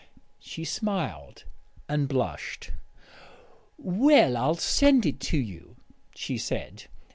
She smiled and blushed. "Well, I'll send it to you," she said.